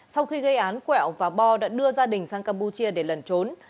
sau khi gây án quẹo và bo đã đưa gia đình sang campuchia để lần trốn